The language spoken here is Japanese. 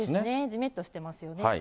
じめっとしてますよね。